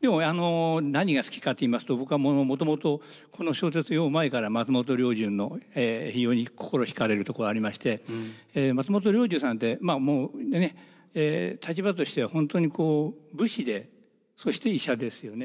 でも何が好きかと言いますと僕はもともとこの小説を読む前から松本良順の非常に心惹かれるところがありまして松本良順さんってもうね立場としては本当に武士でそして医者ですよね。